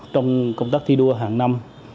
trong công tác thi đua hàng năm